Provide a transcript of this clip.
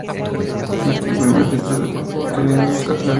Este fue el primer título de Copa obtenido por los catalanes.